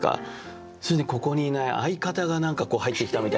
それにここにいない相方が入ってきたみたいな。